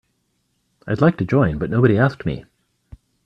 I'd like to join but nobody asked me.